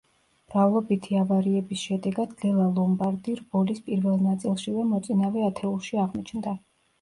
მრავლობითი ავარიების შედეგად ლელა ლომბარდი რბოლის პირველ ნაწილშივე მოწინავე ათეულში აღმოჩნდა.